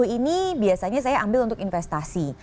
tiga puluh ini biasanya saya ambil untuk investasi